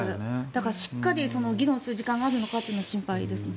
だからしっかり議論する時間があるのかが心配です。